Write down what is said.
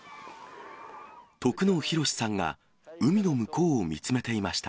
得能宏さんが海の向こうを見つめていました。